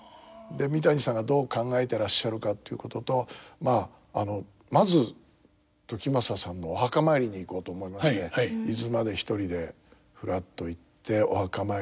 三谷さんがどう考えてらっしゃるかということとまず時政さんのお墓参りに行こうと思いまして伊豆まで一人でふらっと行ってお墓参りをさせていただいて。